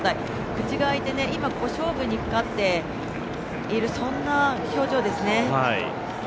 口が開いて、今、勝負にかかっているそんな表情ですね。